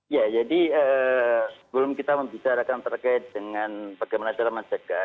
ya jadi sebelum kita membicarakan terkait dengan bagaimana cara mencegah